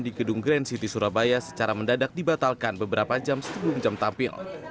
di gedung grand city surabaya secara mendadak dibatalkan beberapa jam sebelum jam tampil